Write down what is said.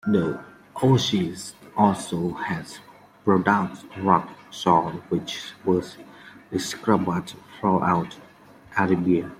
The oasis also has produced rock salt, which was distributed throughout Arabia.